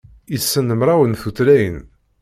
Issen mraw n tutlayin.